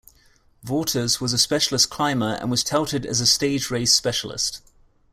Vaughters was a specialist climber and was touted as a Stage race specialist.